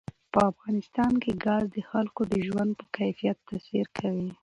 په افغانستان کې ګاز د خلکو د ژوند په کیفیت تاثیر کوي.